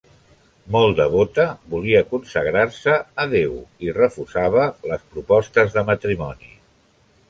Molt devota, volia consagrar-se a Déu i refusava les propostes de matrimoni.